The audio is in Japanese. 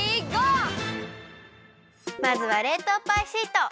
まずはれいとうパイシート！